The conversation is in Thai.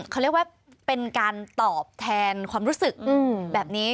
เขาเรียกว่าเป็นการตอบแทนความรู้สึกแบบนี้